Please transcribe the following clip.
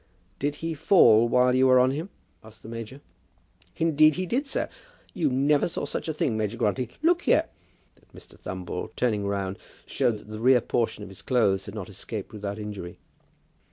"Did he fall while you were on him?" asked the major. "Indeed he did, sir. You never saw such a thing, Major Grantly. Look here." Then Mr. Thumble, turning round, showed that the rear portion of his clothes had not escaped without injury.